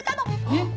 えっ！？